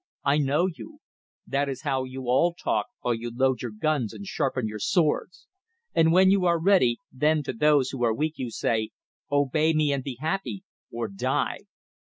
"I know you. That is how you all talk while you load your guns and sharpen your swords; and when you are ready, then to those who are weak you say: 'Obey me and be happy, or die!